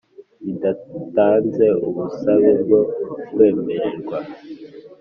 bidatanze ubusabe bwo kwemererwa